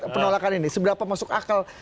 penolakan ini seberapa masuk akal